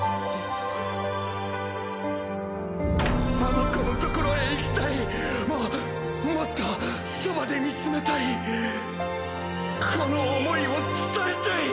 あの子のところへ行きたいももっとそばで見つめたいこの思いを伝えたい！